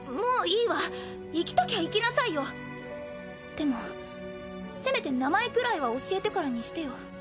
でもせめて名前ぐらいは教えてからにしてよ。